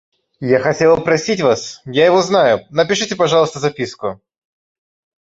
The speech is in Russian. Я хотела просить вас, я его знаю, напишите, пожалуйста, записку.